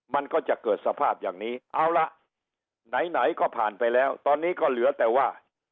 มันก็จะเกิดสภาพอย่างนี้เอาละไหนก็ผ่านไปแล้วตอนนี้ก็เหลือแต่ว่า